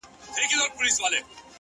o هغه د ساه کښلو لپاره جادوگري غواړي ـ